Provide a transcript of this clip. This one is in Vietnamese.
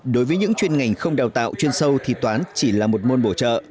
đối với những chuyên ngành không đào tạo chuyên sâu thì toán chỉ là một môn bổ trợ